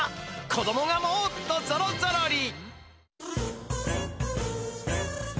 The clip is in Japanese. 子どもがもっとぞろぞろり！